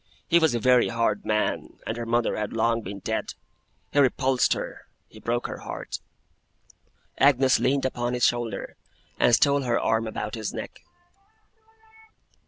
He was a very hard man, and her mother had long been dead. He repulsed her. He broke her heart.' Agnes leaned upon his shoulder, and stole her arm about his neck.